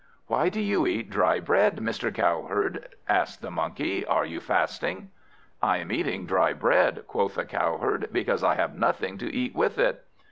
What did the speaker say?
"Why do you eat dry bread, Mr. Cowherd?" asked the Monkey. "Are you fasting?" "I am eating dry bread," quoth the Cowherd, "because I have nothing to eat with it."